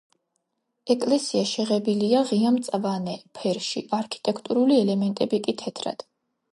ეკლესია შეღებილია ღია მწვანე ფერში, არქიტექტურული ელემენტები კი თეთრად.